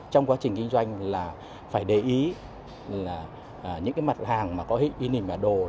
trong quá trình kinh doanh là phải để ý những mặt hàng có in hình bản đồ